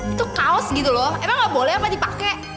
itu kaos gitu loh emang gak boleh apa dipakai